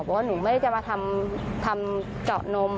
บอกว่าหนูไม่ได้จะมาทำเจาะนม